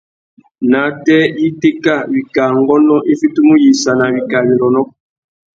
Nātê ya itéka, wikā ngônô i fitimú uyïssana iwí wirrônô.